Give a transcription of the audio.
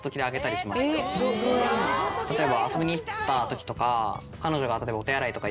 例えば遊びに行ったときとか。